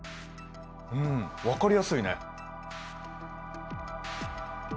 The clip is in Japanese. うん分かりやすいね。